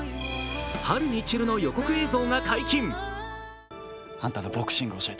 「春に散る」の予告映像が解禁。